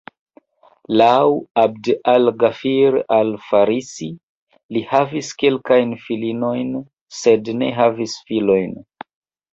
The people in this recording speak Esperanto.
Laŭ 'Abd al-Ghafir al-Farisi, li havis kelkajn filinojn, sed ne havis filojn.